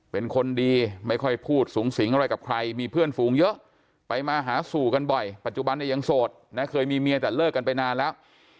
เป็นคนดีไม่ค่อยพูดสูงสิงอะไรกับใครมีเพื่อนฝูงเยอะไปมาหาสู่กันบ่อยปัจจุบันเนี่ยยังโสดนะเคยมีเมียแต่เลิกกันไปนานแล้ว